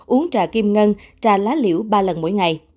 uống trà kim ngân trà lá liễu ba lần mỗi ngày